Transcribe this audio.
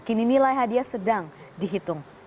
kini nilai hadiah sedang dihitung